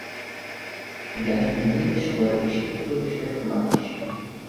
A guerra tem lindas flores e frutos perfumados.